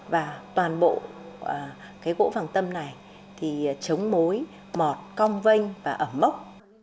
và toàn bộ gỗ vàng tâm này chống mối mọt cong vênh và ẩm mốc